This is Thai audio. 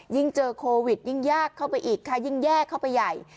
ยิ่งเจอโควิดยิ่งยากเข้าไปอีกค่ะยิ่งแยกเข้าไปใหญ่